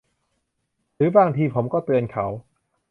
หรือบางทีผมก็เตือนเขา